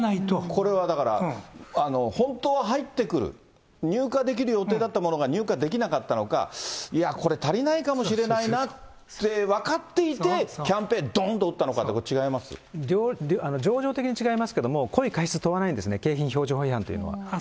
これはだから、本当は入ってくる、入荷できる予定だったものが入荷できなかったのか、いや、これ足りないかもしれないなって分かっていてキャンペーンどんと情状的に違いますけれども、故意、過失問わないんですね、景品表示法違反というのは。